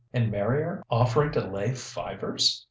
... And Marrier offering to lay fivers!